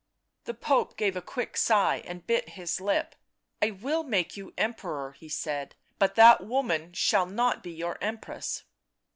The Pope gave a quick sigh and bit his lip. " I will make you Emperor," he said. " But that woman shall not be your Empress."